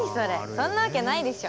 そんなわけないでしょ。